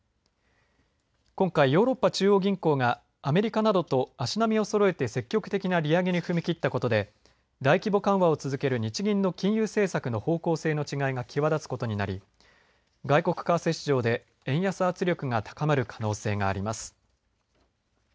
今回、ヨーロッパ中央銀行がアメリカなどと足並みをそろえて積極的な利上げに踏み切ったことで大規模緩和を続ける日銀の金融政策の方向性の違いが際立つことになり外国為替市場で円安圧力が高まる可能性があります。